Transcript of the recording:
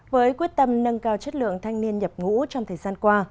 với quyết tâm nâng cao chất lượng thanh niên nhập ngũ trong thời gian qua